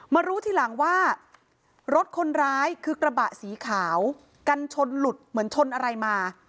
รู้ทีหลังว่ารถคนร้ายคือกระบะสีขาวกันชนหลุดเหมือนชนอะไรมา